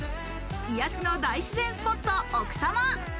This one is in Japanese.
癒やしの大自然スポット、奥多摩。